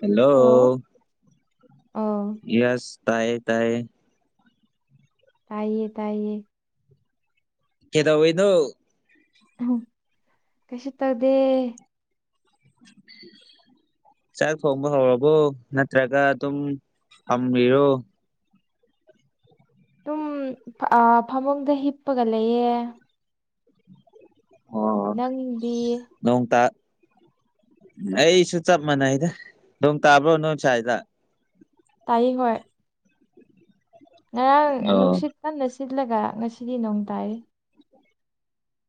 hello hello ꯑꯧ yes ꯇꯌꯦ ꯇꯌꯦ ꯇꯥꯏꯌꯦ ꯇꯥꯏꯌꯦ ꯀꯗ ꯑꯣꯏꯣꯏꯗꯣ ꯀꯩꯁꯤ ꯇꯧꯗꯦ [inaudible] ꯆꯥꯛ ꯊꯣꯡꯕ ꯍꯧꯔꯕꯣ ꯅꯠꯇ꯭ꯔꯒ ꯑꯗꯨꯝ ꯊꯝꯕꯤꯔꯣ ꯑꯗꯨꯝ ꯐꯃꯨꯡꯗ ꯍꯤꯞꯄꯒ ꯂꯩꯌꯦ ꯑꯣ ꯅꯪꯗꯤ ꯅꯣꯡ ꯑꯩꯁꯨ ꯆꯞ ꯃꯥꯟꯅꯩꯗ ꯅꯣꯡ ꯇꯥꯕ꯭ꯔꯣ ꯅꯣꯏ ꯁ꯭ꯋꯥꯏꯗ ꯇꯥꯏ ꯍ ꯉꯔꯥꯡ ꯑꯣ ꯅꯨꯡꯁꯤꯠ ꯀꯟꯅ ꯁꯤꯜꯂꯒ ꯉꯁꯤꯗꯤ ꯅꯣꯡ ꯇꯥꯏꯔꯤ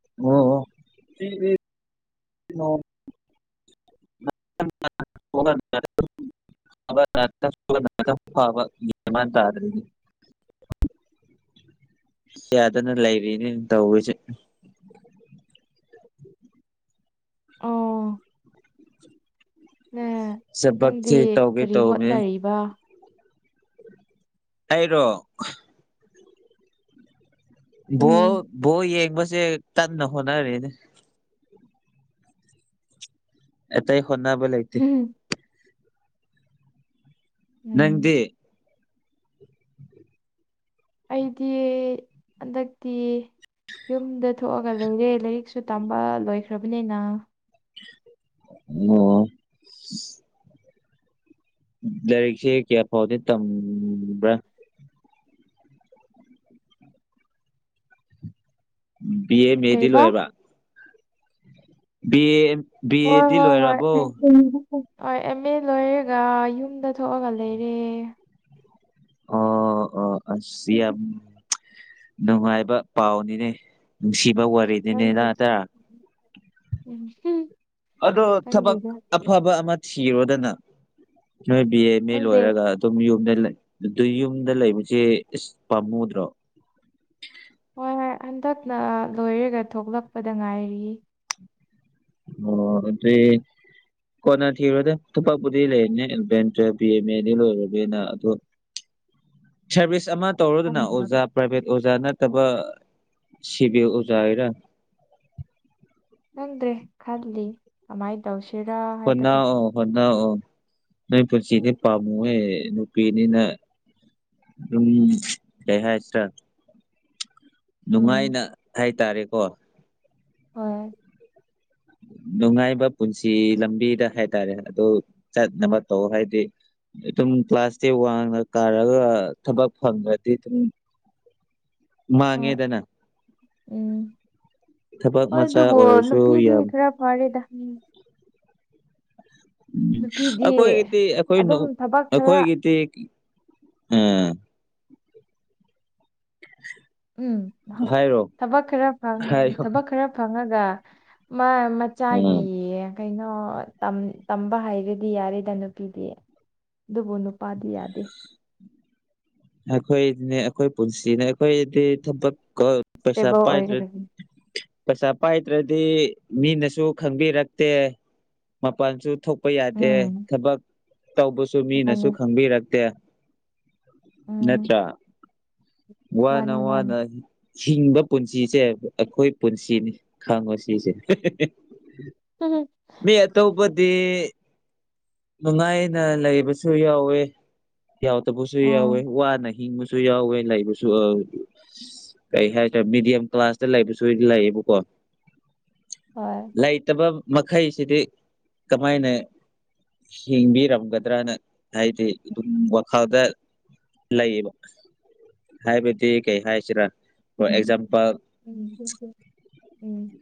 ꯑꯣ ꯔꯦ ꯃ ꯇꯥ ꯌꯥꯗꯅ ꯂꯩꯔꯤꯅꯦ ꯇꯧꯕꯁꯦ ꯑꯣ ꯊꯕꯛꯁꯦ ꯅꯪꯗꯤ ꯇꯧꯒꯦ ꯀꯔꯤ ꯇꯧꯕꯅꯦ ꯍꯣꯠꯅꯔꯤꯕ ꯑꯩꯔꯣ ꯕꯣ ꯎꯝ ꯕꯣ ꯌꯦꯡꯕꯁꯦ ꯀꯟꯅ ꯍꯣꯠꯅꯔꯤꯅꯦ ꯑꯦꯇꯥꯏ ꯍꯣꯅꯕ ꯂꯩꯥꯏꯇꯦ ꯎꯝ ꯅꯪꯗꯤ ꯑꯩꯗꯤ ꯍꯟꯗꯛꯇꯤ ꯌꯨꯝꯗ ꯊꯣꯛꯑꯒ ꯂꯩꯔꯦ ꯂꯥꯏꯔꯤꯛꯁꯨ ꯇꯝꯕ ꯂꯣꯏꯈ꯭ꯔꯕꯅꯤꯅ ꯑꯣ ꯂꯥꯏꯔꯤꯛꯁꯦ ꯀꯌꯥ ꯐꯥꯎꯗꯤ ꯇꯝꯕ꯭ꯔꯥ ꯕꯤ ꯑꯦ ꯃꯦꯗꯤ ꯀꯔꯤꯕ ꯂꯣꯏꯔꯕ ꯕꯤ ꯑꯦ ꯕꯤ ꯍꯣꯏ ꯑꯦꯗꯤ ꯍꯣꯏ ꯍꯣꯏ ꯂꯣꯏꯔꯕꯣ ꯑꯦꯝ ꯑꯦ ꯂꯣꯏꯔꯒ ꯌꯨꯝꯗ ꯊꯣꯛꯑꯒ ꯂꯩꯔꯦ ꯑꯣ ꯑꯣ ꯁꯤ ꯌꯥꯝ ꯅꯨꯡꯉꯥꯏꯕ ꯄꯥꯎꯅꯤꯅꯦ ꯅꯨꯡꯁꯤꯕ ꯋꯥꯔꯤ ꯌꯥꯃꯤ ꯂꯩ ꯑꯗꯣ ꯊꯕꯛ ꯑꯐꯕ ꯑꯃ ꯊꯤꯔꯣꯗꯅ ꯅꯣꯏ ꯕꯤ ꯑ ꯑꯦ ꯈꯪꯗꯦ ꯂꯣꯏꯔꯒ ꯑꯗꯨꯝ ꯌꯨꯝꯗ ꯂꯩ ꯑꯗꯨ ꯌꯨꯝꯗ ꯂꯩꯕꯁꯦ ꯏꯁꯁ ꯄꯥꯝꯃꯨꯗ꯭ꯔꯣ ꯍꯣꯏ ꯍꯣꯏ ꯍꯟꯗꯛꯅ ꯂꯣꯏꯔꯒ ꯊꯣꯛꯂꯛꯄꯗ ꯉꯥꯏꯔꯤ ꯑꯣ ꯑꯗꯨ ꯀꯣꯟꯅ ꯊꯤꯔꯨꯔꯗ ꯊꯨꯄꯥꯛꯛꯄꯨꯗꯤ ꯂꯩꯔꯅꯦ ꯑꯦꯂꯚꯦꯟ ꯇꯨꯋ ꯕꯤ ꯑꯦꯝ ꯑꯦꯗꯤ ꯂꯣꯏꯔꯒꯅ ꯑꯗꯣ [inaudible] ꯁꯔꯚꯤꯁ ꯑꯃ ꯇꯧꯔꯨꯗꯨꯅ ꯈꯪꯗꯦ ꯑꯣꯖꯥ ꯄ꯭ꯔꯥꯏꯚꯦꯠ ꯑꯣꯖꯥ ꯅꯠꯇꯕ ꯁꯤꯕꯤ ꯑꯣꯖꯥ ꯍꯥꯏꯔꯥ ꯈꯪꯗ꯭ꯔꯦ ꯈꯜꯂꯤ ꯀꯃꯥꯏꯅ ꯇꯧꯁꯤꯔꯥ ꯍꯥꯏꯕꯗꯣ ꯑꯣ ꯍꯣꯅ ꯑꯣ ꯅꯣꯏ ꯄꯨꯟꯁꯤꯅꯦ ꯄꯥꯝꯃꯨꯍꯦ ꯅꯨꯄꯤꯅꯤꯅ ꯎꯝ ꯗꯦ ꯍꯥꯏꯁ ꯎꯝ ꯅꯨꯡꯉꯥꯏꯅ ꯍꯥꯏꯇꯥꯔꯦꯀꯣ ꯍꯣꯏ ꯅꯨꯡꯉꯥꯏꯕ ꯄꯨꯟꯁꯤ ꯂꯝꯕꯤꯗ ꯍꯥꯏꯇꯥꯔꯦ ꯑꯗꯨ ꯆꯠꯅꯕ ꯇꯧ ꯍꯥꯏꯗꯤ ꯑꯗꯨꯝ ꯀ꯭ꯂꯥꯁꯇꯦ ꯋꯥꯡꯅ ꯀꯥꯔꯒ ꯊꯕꯛ ꯐꯪꯉ꯭ꯔꯗꯤ ꯑꯗꯨꯝ ꯍꯣꯏ ꯃꯥꯡꯉꯦꯗꯅ ꯎꯝ ꯊꯕꯛ ꯍꯣꯏ ꯃꯆꯥ ꯑꯗꯨꯕꯨ ꯑꯣꯏꯔꯁꯨ ꯅꯨꯄꯤꯗꯤ ꯌꯥꯝ ꯈꯔ ꯍꯔꯦꯗꯅꯤ ꯎꯝ ꯅꯨꯄꯤꯗꯤ ꯑꯩꯈꯣꯏꯒꯤꯗꯤ ꯑꯩꯈꯣꯏꯅ ꯑꯗꯨꯝ ꯊꯕꯛ ꯈꯔ ꯑꯩꯈꯣꯏꯒꯤꯗꯤ ꯑꯝ ꯎ ꯎꯝ ꯊꯕꯛ ꯈꯔ ꯍꯥꯏꯌꯣ ꯊꯕꯛ ꯈꯔ ꯐꯪꯉꯒ ꯃ ꯃꯆꯥꯒꯤ ꯎꯝ ꯀꯩꯅꯣ ꯇꯝꯕ ꯍꯥꯏꯔꯗꯤ ꯌꯥꯔꯦꯗ ꯅꯨꯄꯤꯗꯤ ꯑꯗꯨꯕꯨ ꯅꯨꯄꯥꯗꯤ ꯌꯥꯗꯦ ꯑꯩꯈꯣꯏꯅꯦ ꯑꯩꯈꯣꯏ ꯄꯨꯟꯁꯤꯅꯦ ꯑꯩꯈꯣꯏꯗꯤ ꯊꯕꯛ ꯄꯩꯁꯥ ꯏꯁꯇꯦꯕꯜ ꯄꯥꯏꯗ꯭ꯔꯦ ꯑꯣꯏꯒꯗꯕꯅꯤ ꯄꯩꯁꯥ ꯄꯥꯏꯗ꯭ꯔꯗꯤ ꯃꯤꯅꯁꯨ ꯈꯪꯕꯤꯔꯛꯇꯦ ꯃꯄꯥꯟꯁꯨ ꯊꯣꯛ ꯄ ꯌꯥꯗꯦ ꯎꯝ ꯊꯕꯛ ꯇꯧꯕꯁꯨ ꯃꯥꯅꯦ ꯃꯤꯅꯁꯨ ꯈꯪꯕꯤꯔꯛꯇꯦ ꯎꯝ ꯅꯠꯇ꯭ꯔ ꯋꯥ ꯃꯥꯅꯦ ꯅ ꯋꯥ ꯃꯥꯅꯦ ꯅ ꯍꯤꯡꯕ ꯄꯨꯟꯁꯤꯁꯦ ꯑꯩꯈꯣꯏ ꯄꯨꯟꯁꯤꯅꯤ ꯈꯪꯉꯣ ꯁꯤꯁꯦ ꯃꯤ ꯑꯠꯇꯕꯗꯤ ꯅꯨꯡꯉꯥꯏꯅ ꯂꯩꯕꯁꯨ ꯌꯥꯎꯋꯦ ꯌꯥꯎꯗꯕꯁꯨ ꯌꯥꯎꯋꯦ ꯎꯝ ꯋꯥꯅ ꯍꯤꯡꯕꯁꯨ ꯁꯨ ꯌꯥꯎꯋꯦ ꯂꯩꯕꯁꯨ ꯀꯩ ꯍꯥꯏꯇꯥꯔꯦ ꯃꯤꯦꯗꯤꯌꯝ ꯀ꯭ꯂꯥꯁꯇ ꯂꯩꯕꯁꯨ ꯂꯩꯌꯦꯕꯀꯣ ꯍꯣꯏ ꯂꯩꯇꯕ ꯃꯈꯩꯁꯤꯗꯤ ꯀꯃꯥꯏꯅ ꯍꯤꯡꯕꯤꯔꯝꯒꯗ꯭ꯔꯅ ꯍꯥꯏꯗꯤ ꯑꯗꯨꯝ ꯋꯥꯈꯜꯗ ꯂꯩꯌꯦꯕ ꯍꯥꯏꯕꯗꯤ ꯀꯩ ꯍꯥꯏꯁꯤꯔꯥ for um example um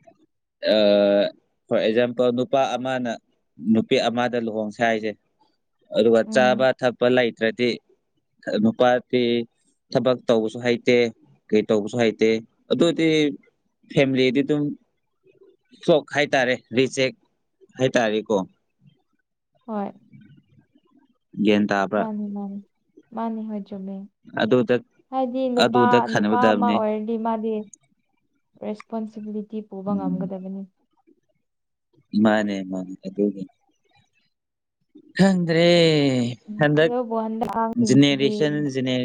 for example ꯅꯨꯄꯥ ꯑꯃꯅ ꯅꯨꯄꯤ ꯑꯃ ꯗ ꯂꯨꯍꯣꯡꯁꯦ ꯍꯥꯏꯁꯦ ꯑꯗꯨꯒ ꯆꯥꯕ ꯎꯝ ꯊꯛꯄ ꯂꯩꯇ꯭ꯔꯗꯤ ꯅꯨꯄꯥꯇ ꯊꯕꯛ ꯇꯧꯕꯁꯨ ꯍꯩꯇꯦ ꯀꯩ ꯇꯧꯕꯁꯨ ꯍꯩꯇꯦ ꯑꯗꯨ ꯑꯣꯏꯗꯤ ꯐꯦꯃꯤꯂꯤꯗꯤ ꯑꯗꯨꯝ ꯁꯣꯛ ꯍꯥꯏꯇꯥꯔꯦ ꯔꯤꯖꯦꯛ ꯍꯥꯏꯇꯥꯔꯦꯀꯣ ꯍꯣꯏ ꯟ ꯃꯥꯅꯤ ꯃꯥꯅꯤ ꯃꯥꯅꯤ ꯍꯥꯏꯣꯏꯖꯃꯦ ꯑꯗꯨꯗ ꯍꯥꯏꯗꯤ ꯅꯨꯄꯥ ꯑꯗꯨꯗ ꯅꯨꯄꯥ ꯑꯃ ꯈꯟꯒꯗꯕꯅꯤ ꯑꯣꯏꯔꯅꯤ ꯃꯥꯗꯤ ꯔꯦꯁꯄꯣꯟꯁꯤꯕꯤꯂꯤꯇꯤ ꯄꯨꯕ ꯎꯝ ꯉꯝꯒꯗꯕꯅꯤ ꯃꯥꯅꯦ ꯃꯥꯅꯦ ꯑꯗꯨ ꯈꯗ꯭ꯔꯦ ꯎꯝ ꯍꯟꯗ ꯑꯗꯨꯕꯨ ꯍꯟꯗꯛ ꯑꯉꯥꯡꯁꯤꯡꯁꯤꯗꯤ ꯅꯦꯔꯤꯁꯟꯖꯅꯦ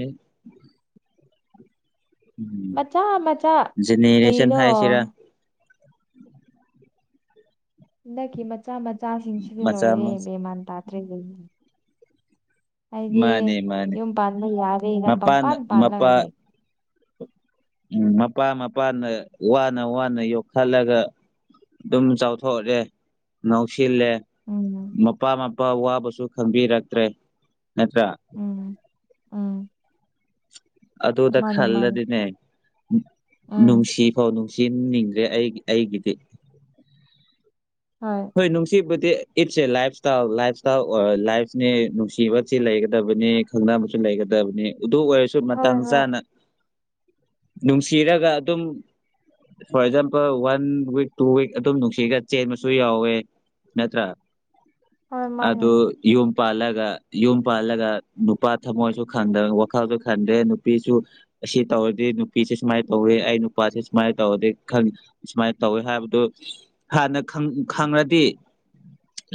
ꯃꯆꯥ ꯃꯆꯥ ꯅꯤꯅꯦꯁꯟ ꯀꯩꯅꯣ ꯍꯥꯏꯁꯤꯔꯥ ꯍꯟꯗꯛꯀꯤ ꯃꯆꯥ ꯃꯆꯥꯁꯤꯡꯁꯤꯗꯤ ꯃꯆꯥ ꯂꯣꯏꯔꯦ ꯃꯆꯥ ꯕꯦꯃꯥꯟ ꯇꯥꯗ꯭ꯔꯦ ꯍꯥꯏꯗꯤ ꯃꯥꯅꯦ ꯃꯥꯅꯦ ꯌꯨꯝ ꯄꯥꯟꯕ ꯌꯥꯔꯦꯅꯥ ꯃꯄꯥꯅ ꯄꯪꯄꯥꯟ ꯄꯥꯜꯂꯒ ꯃꯄꯥ ꯂꯩ ꯎꯝ ꯃꯄꯥ ꯃꯄꯥꯅ ꯋꯥꯅ ꯋꯥꯅ ꯌꯣꯛꯈꯠꯂꯒ ꯑꯗꯨꯝ ꯆꯥꯎꯊꯣꯛꯑꯦ ꯅꯧꯁꯤꯜꯂꯦ ꯎꯝ ꯃꯄꯥ ꯃꯄꯥ ꯋꯥꯕꯁꯨ ꯈꯪꯕꯤꯔꯛꯇ꯭ꯔꯦ ꯅꯠꯇ꯭ꯔꯥ ꯎꯝ ꯎꯝ ꯑꯗꯨꯗ ꯃꯥꯅꯤ ꯃꯥꯅꯤ ꯈꯜꯂꯗꯤꯅꯦ ꯎꯝ ꯅꯨꯡꯁꯤ ꯐꯥꯎ ꯅꯨꯡꯁꯤꯅꯤꯡꯗ꯭ꯔꯦ ꯑꯩꯒꯤ ꯑꯩꯒꯤꯗꯤ ꯍꯣꯏ ꯍꯣꯏ ꯅꯨꯡꯁꯤꯕꯗꯤ it's a lifestyle lifestyle ꯑꯣꯏ ꯂꯥꯏꯐꯅꯦ ꯅꯨꯡꯁꯤꯕꯁꯤ ꯂꯩꯒꯗꯕꯅꯤ ꯈꯪꯅꯕꯁꯨ ꯂꯩꯒꯗꯕꯅꯤ ꯑꯗꯨ ꯑꯣꯏꯔꯁꯨ ꯍꯣꯏ ꯃꯇꯥꯡ ꯍꯣꯏ ꯆꯥꯅ ꯅꯨꯡꯁꯤꯔꯒ ꯑꯗꯨꯝ for example one week two week ꯑꯗꯨꯝ ꯅꯨꯡꯁꯤꯔꯒ ꯆꯦꯟꯕ ꯁꯨ ꯌꯥꯎꯋꯦ ꯅꯠꯇ꯭ꯔꯥ ꯍꯣꯏ ꯃꯥꯅꯦ ꯑꯗꯨ ꯌꯨꯝ ꯄꯥꯜꯂꯒ ꯌꯨꯝ ꯄꯥꯜꯂꯒ ꯅꯨꯄꯥ ꯊꯃꯣꯏꯁꯨꯗ ꯋꯥꯈꯜꯁꯨ ꯈꯟꯗ꯭ꯔꯦ ꯅꯨꯄꯤꯁꯨ ꯑꯁꯤ ꯇꯧꯔꯗꯤ ꯅꯨꯄꯤꯁꯦ ꯁꯨꯃꯥꯏꯅ ꯇꯧꯋꯦ ꯑꯩ ꯅꯨꯄꯥꯁꯦ ꯁꯨꯃꯥꯏꯅ ꯇꯧꯔꯗꯤꯦ ꯈꯪꯉ ꯁꯨꯃꯥꯏꯅ ꯇꯧꯋꯦ ꯍꯥꯏꯕꯗꯨ ꯍꯥꯟꯅ ꯈꯪꯉꯗꯤ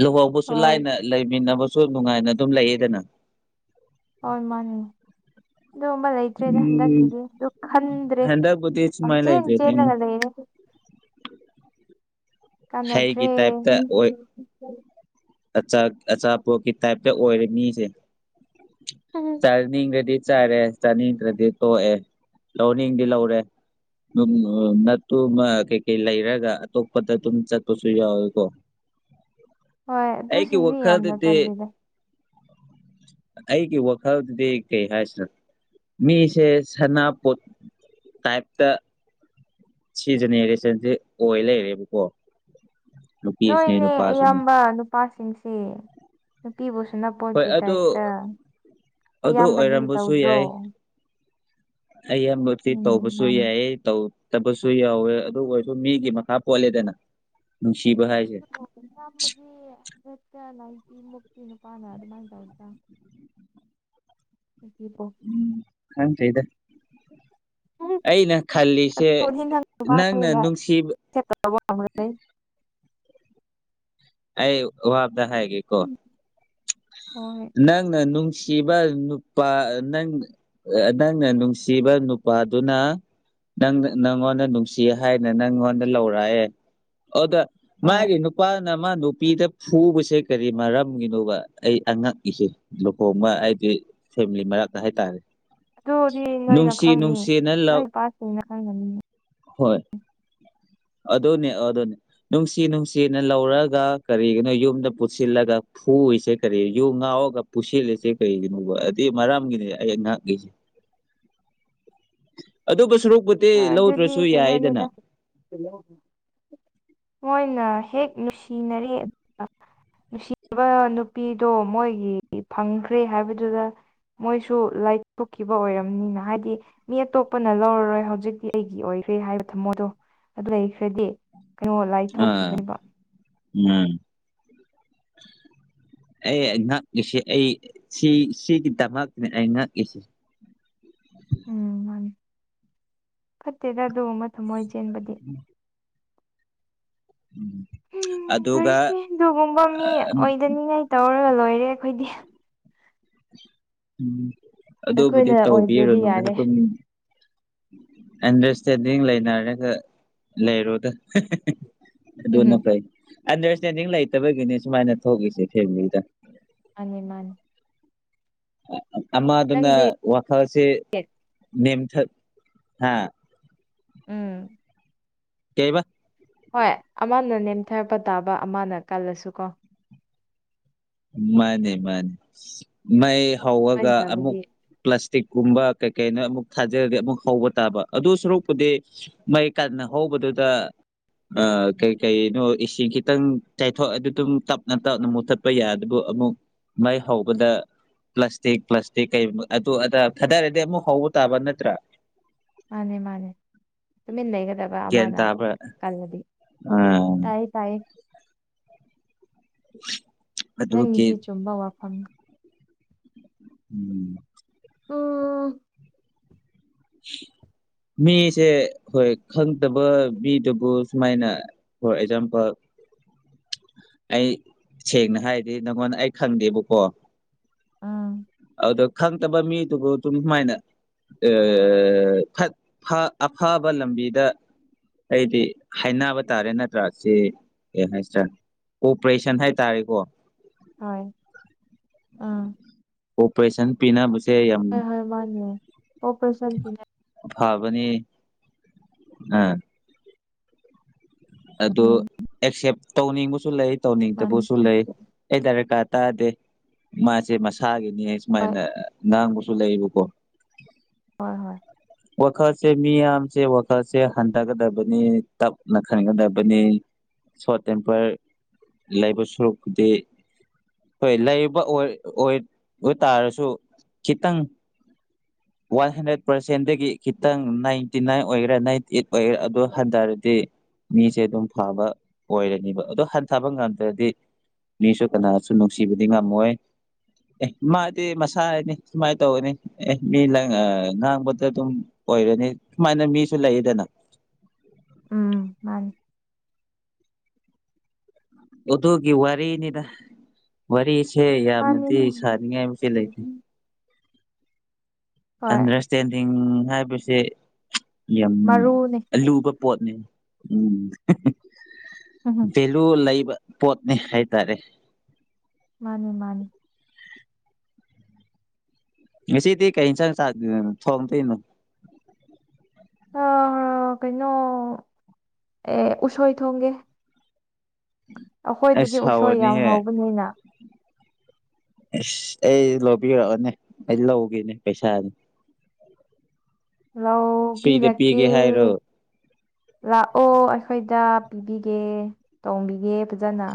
ꯂꯨꯍꯧꯕꯁꯨ ꯍꯣꯏ ꯂꯥꯏꯅ ꯂꯩꯃꯤꯟꯅꯕ [unintelligible] ꯅꯨꯡꯉꯥꯏꯅ ꯑꯗꯨꯝ ꯂꯩꯌꯦꯗꯅ ꯍ ꯃꯥꯅꯦ ꯑꯗꯨꯝꯕ ꯂꯩ ꯂꯩꯇ꯭ꯔꯦꯗ ꯎꯝ ꯍꯟꯗꯛꯀꯤꯗꯤ ꯑꯗꯨ ꯈꯟꯗ꯭ꯔꯦ ꯍꯟꯗꯛꯄꯨꯗꯤ ꯌꯥꯝ ꯁꯨꯃꯥꯏꯅ ꯆꯦꯟ ꯂꯩꯇ꯭ꯔꯦꯗ ꯆꯦꯜꯂꯒ ꯂꯩꯔꯦ ꯀꯥꯟꯅꯗ꯭ꯔꯦ ꯍꯩꯒꯤ ꯇꯥꯏꯞꯇ ꯑꯣꯏ ꯑꯆꯥ ꯑꯆꯥꯄꯣꯠꯀꯤ ꯇꯥꯏꯞꯇ ꯑꯣꯏꯔꯦ ꯃꯤꯁꯦ ꯆꯔꯅꯤꯒꯗꯤ ꯆꯔꯦ ꯆꯥꯅꯤꯡꯗ꯭ꯔꯗꯤ ꯇꯣꯛꯑꯦ ꯂꯧꯅꯤꯡꯗꯤ ꯂꯧꯔꯦ ꯅꯠꯇꯨ ꯀꯩꯀꯩ ꯂꯩꯔꯒ ꯑꯇꯣꯞꯄꯗ ꯇꯝ ꯆ ꯇꯁꯨ ꯌꯥꯎꯋ ꯀꯣ [inaudible] ꯍꯣꯏ ꯑꯗꯨꯁꯤꯡꯗꯤ ꯌꯥꯝꯅ ꯋꯥꯈꯜꯗꯗꯤ ꯇꯜꯂꯤꯗ ꯑꯩꯒꯤ ꯋꯥꯈꯜꯗꯗꯤ ꯀꯩ ꯍꯥꯏꯁꯤꯅ ꯃꯤꯁꯦ ꯁꯅꯥꯄꯣꯠ ꯇꯥꯏꯞꯇ ꯁꯤ ꯖꯅꯦꯔꯦꯁꯟꯁꯤ ꯑꯣꯏ ꯂꯩꯔꯦꯕꯀꯣ ꯅꯨꯄꯤꯁꯤꯅꯦ ꯅꯣꯏꯅꯦ ꯅꯨꯄꯥꯁꯤꯅꯦ ꯑꯌꯥꯝꯕ ꯅꯨꯄꯥ ꯁꯤꯡꯁꯤ ꯅꯨꯄꯤꯕꯨ ꯍꯣꯏ ꯁꯨꯅꯄꯣꯠꯀꯤ ꯑꯗꯨ ꯇꯥꯏꯞꯇ ꯑꯗꯨ ꯑꯌꯥꯝꯕꯗꯤ ꯑꯣꯏꯔꯝꯕꯁꯨ ꯇꯧꯗ꯭ꯔꯣ ꯌꯥꯏ ꯑ ꯌꯥꯝ ꯅ ꯇꯧ ꯎꯝ ꯄꯁꯨ ꯃꯥꯅꯤ ꯌꯥꯏ ꯇꯧ ꯐꯠꯇꯕꯁꯨ ꯌꯥꯎꯋꯦ ꯑꯗꯨ ꯑꯣꯏꯔꯁꯨ ꯃꯤꯒꯤ ꯃꯈꯥ ꯄꯣꯜꯂꯦꯗꯅ ꯅꯨꯡꯁꯤꯕ ꯍꯥꯏꯁꯦ ꯅꯃꯒꯤ ꯅꯠꯇ ꯅꯥꯏꯗꯤ ꯃꯛꯇꯛꯇꯤꯅꯨ ꯄꯅ ꯑꯗꯨ ꯑꯗꯨꯃꯥꯏ ꯇ ꯑꯣꯏꯗ ꯍꯧ ꯄꯣ [inaudible] ꯎꯝ ꯈꯪꯗꯔꯦꯗ ꯎꯝ ꯑꯩꯅ ꯈꯜꯂꯤꯁꯦ ꯅꯪꯅ ꯅꯨꯡꯁꯤꯕ [unintelligible] ꯑꯩ ꯋꯥꯑꯝꯇ ꯍꯥꯏꯒꯦ ꯀꯣ ꯍꯣꯏ ꯅꯪ ꯅꯧꯡ ꯅꯨꯡꯁꯤꯕ ꯅꯨꯄꯥ ꯅꯪ ꯅꯪꯅ ꯅꯨꯡꯁꯤꯕ ꯅꯨꯄꯥꯗꯨꯅ ꯅꯪ ꯅꯪꯉꯣꯟꯗ ꯅꯨꯡꯁꯤ ꯍꯥꯏꯅ ꯅꯪꯉꯣꯟꯗ ꯂꯧꯔꯛꯑꯦ ꯑꯗ ꯍꯣꯏ ꯃꯥꯒꯤꯦ ꯅꯨꯄꯥ ꯅ ꯃꯥ ꯅꯨꯄꯤꯗ ꯐꯨꯕꯁꯦ ꯀꯔꯤ ꯃꯔꯝꯒꯤꯅꯣꯕ ꯑꯩ ꯉꯛꯏꯍ‌ꯦ ꯂꯨꯍꯣ ꯑꯃ ꯑꯩꯗꯤ ꯐꯦꯃꯤꯂꯤ ꯃꯔꯛꯇ ꯍꯥꯏꯇꯥꯔꯦ ꯑꯗꯨꯗꯤ ꯅꯣꯏꯅ ꯅꯨꯡꯁꯤ ꯈꯪꯅꯤ ꯅꯨꯡꯁꯤꯅ ꯂꯧ ꯅꯣꯏ ꯄꯠꯇꯅ ꯈꯪꯒꯅꯤ ꯍꯣꯏ ꯑꯗꯨꯅꯦ ꯑꯗꯨꯅꯦ ꯅꯨꯡꯁꯤ ꯅꯨꯡꯁꯤꯅ ꯂꯧꯔꯒ ꯀꯔꯤꯒꯤꯅꯣ ꯌꯨꯝꯗ ꯄꯨꯁꯤꯜꯂꯒ ꯐꯨꯏꯁꯦ ꯀꯔꯤ ꯌꯨ ꯉꯥꯎꯔꯒ ꯄꯨꯁꯤꯜꯂꯤꯁꯦ ꯀꯔꯤꯒꯤꯅꯣꯕ ꯑꯗꯨꯏ ꯃꯔꯝꯒꯤꯅꯦ ꯑꯩ ꯉꯍꯥꯛꯉꯁꯦ [unintelligible] ꯑꯗꯨꯕꯨ ꯁꯔꯨꯛꯄꯨꯗꯤ ꯍꯣꯏ ꯑꯗꯨꯗꯤ ꯂꯧꯗ꯭ꯔꯁꯨ ꯌꯥꯏꯗꯅ ꯀꯩꯅꯣꯅꯤꯗ ꯃꯣꯏꯅ ꯍꯦꯛ ꯅꯨꯡꯁꯤꯅꯔꯤ ꯅꯨꯡꯁꯤꯕ ꯅꯨꯄꯤꯗꯣ ꯃꯣꯏꯒꯤ ꯐꯪꯈ꯭ꯔꯦ ꯍꯥꯏꯕꯗꯨꯗ ꯃꯣꯏꯁꯨ ꯂꯥꯏꯊꯣꯛꯈꯤꯕ ꯑꯣꯏꯔꯝꯅꯤꯅ ꯍꯥꯏꯗꯤ ꯃꯤ ꯑꯇꯣꯞꯄꯅ ꯂꯧꯔꯔꯣꯏ ꯍꯧꯖꯤ ꯍꯧꯖꯤꯛꯇꯤ ꯑꯩꯒꯤ ꯑꯣꯏꯈ꯭ꯔꯦ ꯍꯥꯏꯕ ꯊꯝꯃꯣꯗꯣ ꯑꯗꯨ ꯂꯩꯈ꯭ꯔꯗꯤ ꯀꯩꯅꯣ ꯂꯥꯏ ꯑꯥ ꯊꯣꯛꯈꯤꯕꯅꯦꯕ ꯎꯝ [unintelligible] ꯑꯩ ꯉꯛꯂꯤꯁꯤ ꯑꯩ ꯁꯤ ꯁꯤꯒꯤꯗꯃꯛꯅꯦ ꯑꯩ ꯏꯁꯤ ꯎꯝ ꯃꯥꯅꯤ ꯐꯠꯇꯦꯗ ꯑꯗꯨꯒꯨꯝꯕ ꯊꯝꯃꯣꯏ ꯆꯦꯟꯕꯗꯤ ꯎꯝ ꯎꯝ ꯎꯝ ꯐꯔꯁꯦ ꯑꯗꯨꯒꯨꯝꯕ ꯃꯤ ꯑꯣꯏꯗꯅꯤꯡꯉꯥꯏ ꯇꯧꯔꯒ ꯂꯣꯏꯔꯦ ꯑꯩꯈꯣꯏꯗꯤ ꯎꯝ ꯑꯗꯨꯕꯨꯗꯤ ꯑꯩꯈꯣꯏꯅ ꯑꯣꯏꯗ꯭ꯔꯗꯤ ꯇꯧꯕꯤꯔꯨꯅꯨꯗ ꯌꯥꯔꯦ ꯑꯗꯨꯝ ꯑꯟꯗꯔꯁꯇꯦꯟꯗꯤꯡ ꯂꯩꯅꯔꯒ ꯂꯩꯔꯨꯗ ꯎꯝ ꯑꯗꯨꯅ ꯐꯩ ꯑꯟꯗꯔꯁꯇꯦꯟꯗꯤꯡ ꯂꯩꯇꯕꯒꯤꯅꯦ ꯁꯨꯃꯥꯏꯅ ꯊꯣꯛꯈꯤꯁꯦ ꯊꯦꯡꯂꯤꯗ ꯃꯥꯅꯤ ꯃꯥꯅꯤ ꯑꯃꯗꯨꯅ ꯅꯪꯗꯤ ꯋꯥꯈꯜꯁꯦ ꯅꯦꯝꯊ ꯍꯥ ꯎꯝ ꯀꯩꯕꯥ ꯍꯣꯏ ꯑꯃꯅ ꯅꯦꯝꯊꯔꯛꯄ ꯇꯥꯕ ꯑꯃꯅ ꯀꯜꯂꯁꯨ ꯀꯣ ꯃꯥꯅꯤ ꯃꯥꯅꯤ ꯃꯩ ꯍꯧꯑꯒ ꯃꯥꯏꯅ ꯑꯃꯨꯛ ꯇꯧꯔꯗꯤ ꯄ꯭ꯂꯥꯁꯇꯤꯛꯀꯨꯝꯕ ꯀꯩ ꯀꯩꯅ ꯑꯃꯨꯛ ꯊꯥꯖꯔꯒꯗꯤ ꯑꯃꯨꯛ ꯍꯧꯕ ꯇꯥꯕ ꯑꯗꯨ ꯁꯔꯨꯛꯄꯨꯗꯤ ꯃꯩ ꯀꯥꯟꯅ ꯍꯧꯕꯗꯨꯗ ꯀꯩ ꯀꯩꯅꯣ ꯏꯁꯤꯡ ꯈꯤꯇꯪ ꯆꯥꯏꯊꯣꯛ ꯑꯗꯨꯝ ꯇꯞꯅ ꯇꯞꯅ ꯃꯨꯊꯠ ꯑꯃꯨꯛ ꯃꯥꯏ ꯍꯧꯕꯗ ꯄ꯭ꯂꯥꯁꯇꯤꯛ ꯄ꯭ꯂꯥꯁꯇꯤꯛ ꯀꯩ ꯑꯗꯨ ꯑꯗꯥ ꯊꯗꯥꯔꯗꯤ ꯑꯃꯨꯛ ꯍꯧꯕ ꯇꯥꯕ ꯅꯠꯇ꯭ꯔꯥ ꯃꯥꯅꯦ ꯃꯥꯅꯦ ꯇꯨꯃꯤꯟ ꯂꯩꯒꯗꯕ ꯒ꯭ꯌꯥꯟ ꯑꯃꯅ ꯇꯥꯕ꯭ꯔꯥ ꯀꯜꯂꯗꯤ ꯑ ꯇꯥꯏ ꯇꯥꯏ ꯎ [inaudible] ꯅꯪꯒꯤꯁꯤ ꯆꯨꯝꯕ ꯋꯥꯐꯝꯅꯤ ꯎꯝ ꯎ [inaudible] ꯃꯤꯁꯦ ꯍꯣꯏ ꯈꯪꯗꯕ ꯃꯤꯗꯨꯕꯨ ꯁꯨꯃꯥꯏꯅ ꯍꯣꯏ ꯖꯥꯝꯄꯜ ꯑꯩ ꯁꯦꯡꯅ ꯍꯥꯏꯔꯗꯤ ꯅꯪꯉꯣꯟꯗ ꯑꯩ ꯈꯪꯗꯦꯕꯥꯀꯣ ꯎꯝ ꯑꯗꯣ ꯈꯪꯗꯕ ꯃꯤꯗꯨꯕꯨ ꯑꯗꯨꯝ ꯁꯨꯃꯥꯏꯅ ꯑꯐꯕ ꯂꯝꯕꯤꯗ ꯑꯩꯗꯤ ꯍꯥꯏꯅꯕ ꯇꯥꯔꯦ ꯅꯠꯇ꯭ꯔꯥ ꯁꯤ ꯀꯩ ꯍꯥꯏꯁꯔ ꯀ‌ꯣꯄꯔꯦꯁꯟ ꯍꯥꯏꯕ ꯇꯥꯔꯦꯀꯣ ꯍꯣꯏ ꯎꯝ ꯑꯣꯄꯔꯦꯁꯟ ꯄꯤꯅꯕꯁꯦ ꯌꯥꯝ ꯍꯣꯏ ꯍꯣꯏ ꯃꯥꯅꯦ ꯑꯣꯄꯔꯦꯁꯟꯒꯤꯅꯦ ꯐꯕꯅꯤ ꯑꯥ ꯑꯗꯨ ꯎꯝ ꯑꯦꯁꯦꯞ ꯇꯧꯅꯤꯡꯕꯁꯨ ꯂꯩ ꯃꯥꯅꯤ ꯇꯧꯅꯤꯡꯇꯕꯁꯨ ꯂꯩ ꯑꯩ ꯗꯔꯀꯥꯔ ꯇꯥꯗꯦ ꯃꯥꯁꯦ ꯃꯁꯥꯒꯤꯅꯦ ꯍꯣꯏ ꯁꯨꯃꯥꯏꯅ ꯉꯥꯡꯕꯁꯨ ꯂꯩꯌꯦꯕꯀꯣ ꯍꯣꯏ ꯍꯣꯏ ꯋꯥꯈꯜꯁꯦ ꯃꯤꯌꯥꯝꯁꯦ ꯋꯥꯈꯜꯁꯦ ꯍꯟꯊꯒꯗꯕꯅꯤ ꯇꯞꯅ ꯈꯟꯒꯗꯕꯅꯤ ꯁꯣꯔꯠ ꯇꯦꯝꯄꯔ ꯂꯩꯕ ꯁꯔꯨꯄꯨꯗꯤ ꯍꯣꯏ ꯂꯩꯕ ꯑꯣꯏꯕ ꯇꯥꯔꯁꯨ ꯈꯤꯇꯪ ꯋꯥꯟ ꯍꯟꯗ꯭ꯔꯦꯇ ꯁꯦꯟꯗꯒꯤ ꯈꯤꯇꯪ ꯅꯥꯏꯟꯇꯤ ꯅꯥꯏꯟ ꯑꯣꯏꯒꯦꯔꯥ ꯅꯥꯏꯟꯇꯤ ꯑꯩꯠ ꯑꯣꯏꯒꯦꯔꯥ ꯑꯗꯨ ꯍꯟꯊꯔꯗꯤ ꯃꯤꯁꯦ ꯑꯗꯨꯝ ꯐꯕ ꯑꯣꯏꯔꯅꯦꯕ ꯑꯗꯣ ꯍꯟꯊꯕ ꯉꯝꯗ꯭ꯔꯗꯤ ꯃꯤꯁꯨ ꯀꯅꯥꯁꯨ ꯅꯨꯡꯁꯤꯕꯗꯤ ꯉꯝꯃꯣꯏ ꯑꯦ ꯃꯥꯗꯤ ꯃꯁꯥ ꯍꯥꯏꯅꯤ ꯁꯨꯃꯥꯏꯅ ꯇꯧꯒꯅꯤ ꯑꯦ ꯃꯤꯅꯒ ꯉꯥꯡꯕ ꯑꯗꯨꯝ ꯑꯣꯏꯔꯅꯤ ꯁꯨꯃꯥꯏꯅ ꯃꯤꯁꯨ ꯂꯩꯌꯦꯗꯅ ꯎꯝ ꯃꯥꯅꯤ ꯑꯗꯨꯒꯤ ꯋꯥꯔꯤꯅꯤꯗ ꯋꯥꯔꯤꯁꯦ ꯌꯥꯝꯅꯗꯤ ꯃꯥꯅꯤꯗ ꯁꯥꯅꯤꯡꯉꯥꯏ ꯂꯩꯇꯦ ꯍꯣꯏ ꯑꯟꯗꯔꯁꯇꯦꯟꯗꯤꯡ ꯍꯥꯏꯕꯁꯦ ꯌꯥꯝ ꯃꯔꯨꯅꯦ ꯂꯨꯕ ꯄꯣꯠꯅꯦ ꯎꯝ ꯑꯗꯨ ꯂꯩꯕ ꯄꯣꯠꯅꯤ ꯍꯥꯏꯇꯥꯔꯦ ꯃꯥꯅꯤ ꯃꯥꯅꯤ ꯉꯁꯤꯗꯤ ꯀꯩ ꯌꯦꯟꯁꯥꯡ ꯊꯣꯡꯗꯣꯏꯅꯣ ꯍ‌ꯣ ꯍ‌ꯧ ꯀꯩꯅꯣ ꯑꯦ ꯎꯁꯣꯏ ꯊꯣꯡꯒꯦ ꯑꯁ ꯑꯩꯈꯣꯏꯗꯗꯤ ꯎꯁꯣꯏ ꯌꯥꯝ ꯍꯥꯎꯔꯅꯤꯍꯦ ꯍꯧꯕꯅꯤꯅ ꯑꯁ ꯑꯩ ꯂꯧꯕꯤꯔꯛꯑꯣꯅꯦ ꯑꯩ ꯂꯧꯒꯦꯅꯦ ꯄꯩꯁꯥꯅꯤ ꯐ꯭ꯔꯤꯗ ꯂꯧꯕꯤꯔꯀꯦ ꯄꯤꯒꯦ ꯍꯥꯏꯔꯣ ꯂꯥꯛꯑꯣ ꯑꯩꯈꯣꯏꯗ ꯄꯤꯕꯤꯒꯦ ꯇ‌‌ꯣꯡꯕꯤꯒꯦ ꯐꯖꯅ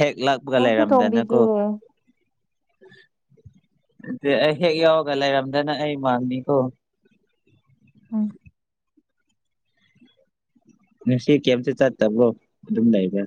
ꯍꯦꯛ ꯂꯛꯄꯒ ꯊꯣꯡꯁꯨ ꯊꯣꯡꯕꯤꯒꯦ ꯂꯩꯔꯝꯗꯅꯀꯣ ꯑꯗꯨ ꯑꯩ ꯍꯦꯛ ꯌꯥꯎꯔꯒ ꯂꯩꯔꯝꯗꯅ ꯑꯩ ꯃꯥꯅꯤꯀꯣ ꯎꯝ ꯁꯤ ꯀꯦꯦꯝꯁ ꯆꯠꯠꯇꯕ꯭ꯔꯣ ꯑꯗꯨꯝ ꯂꯩꯕ